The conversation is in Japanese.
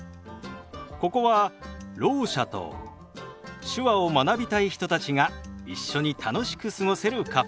ここはろう者と手話を学びたい人たちが一緒に楽しく過ごせるカフェ。